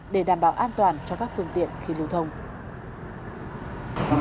để đảm bảo an toàn cho các phương tiện khi lưu thông